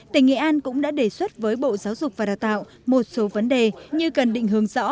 tỉnh nghệ an cũng đã đề xuất với bộ giáo dục và đào tạo một số vấn đề như cần định hướng rõ